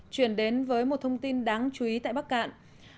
chuyển đến với một thông tin đáng chú ý tại bắc cạn